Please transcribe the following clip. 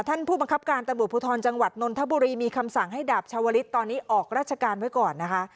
ผู้บังคับการตำรวจภูทรจังหวัดนนทบุรีมีคำสั่งให้ดาบชาวลิศตอนนี้ออกราชการไว้ก่อนนะคะ